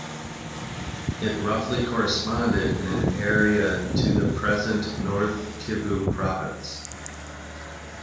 It roughly corresponded in area to the present North Kivu province.